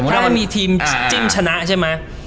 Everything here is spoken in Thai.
ถ้ามีทีมจิ้มชนะใช่มั้ย